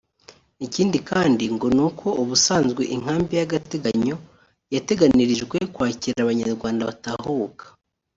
Ikindi kandi ngo ni uko ubusanzwe inkambi y’agateganyo yateganirijwe kwakira Abanyarwanda batahuka